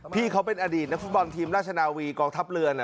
พี่เขาเป็นอดีตนักฟุตบอลทีมราชนาวีกองทัพเรือน